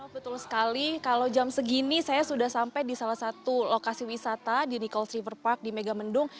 betul sekali kalau jam segini saya sudah sampai di salah satu lokasi wisata di nikel striper park di megamendung